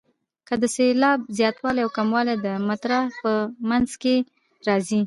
که د سېلاب زیاتوالی او کموالی د مصرع په منځ کې راشي.